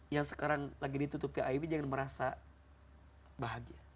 yang sekarang lagi ditutupi aibnya jangan merasa bahagia